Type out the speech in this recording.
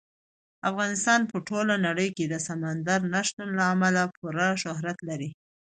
افغانستان په ټوله نړۍ کې د سمندر نه شتون له امله پوره شهرت لري.